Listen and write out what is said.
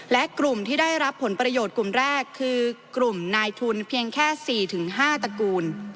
และกลุ่มที่ได้รับผลประโยชน์กลุ่มแรกคือกลุ่มนายทุนเพียงแค่๔๕ตระกูล